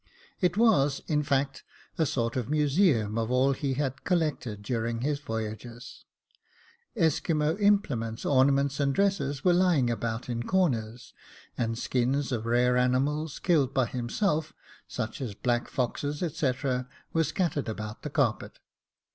It was, in fact, a sort of museum of all he had collected during his voyages. Esquimaux implements, ornaments, and dresses, were lying about in corners ; and skins of rare animals, killed by himself, such as black foxes, &c., were scattered about the carpet.